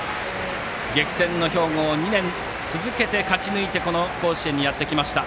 激戦の兵庫を２年続けて勝ち抜いて甲子園にやってきました。